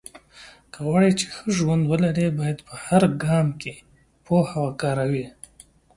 که غواړې چې ښه ژوند ولرې، باید په هر ګام کې پوهه وکاروې.